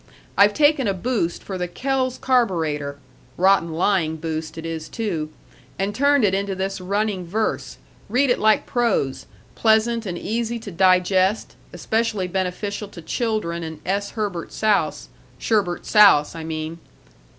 I've taken a boost for the Kells Karburetor rotten lying boost it is, too and turned it into this running verse, read it like prose, pleasant and easy to digest, especially beneficial to children and S. Herbert Souse, Sherbert Souse, I mean."